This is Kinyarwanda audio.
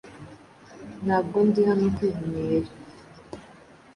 Ntabwo ndi hano kwihimira